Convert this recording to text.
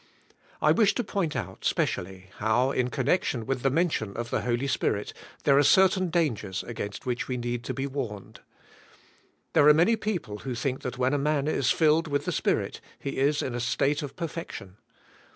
I wish to point out specially, how, in connec tion with the mention of the Holy Spirit there are certain dangers against which we need to be warned. There are many people who think that when a man is filled with the Spirit, he is in a state of perfec tion.